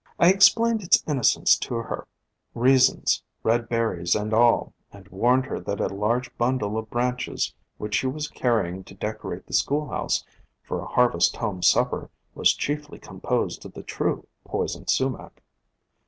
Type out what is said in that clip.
I explained its innocence to her, — reasons, red berries and all, — and warned her that a large bundle of branches which she was carrying to decorate the school house for a harvest home supper, was chiefly composed of the true Poison Sumac.